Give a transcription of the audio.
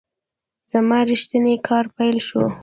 زما ریښتینی کار پیل شو .